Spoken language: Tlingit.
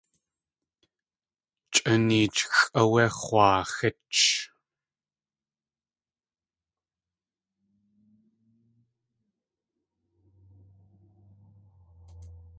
Chʼa neechxʼ áwé x̲waaxích.